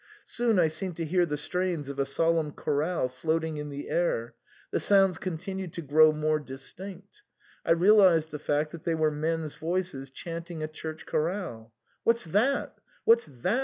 Soon I seemed to hear the strains of a solemn chorale floating in the air ; the sounds con tinued to grow more distinct ; I realised the fact that they were men's voices chanting a church chorale. " What's that ? what's that